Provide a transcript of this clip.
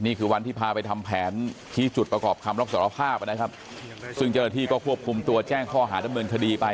นี่คือวันที่พาไปทำแผนชี้จุดประกอบคำรับสารภาพนะครับซึ่งเจ้าหน้าที่ก็ควบคุมตัวแจ้งข้อหาดำเนินคดีไป